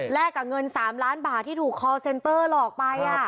กับเงิน๓ล้านบาทที่ถูกคอลเซนเตอร์หลอกไป